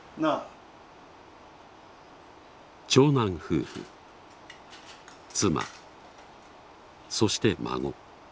長男夫婦妻そして孫。